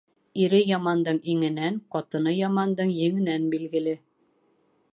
Ире ямандың иңенән, ҡатыны ямандың еңенән билгеле.